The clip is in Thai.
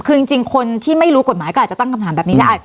คือจริงคนที่ไม่รู้กฎหมายก็อาจจะตั้งคำถามแบบนี้ได้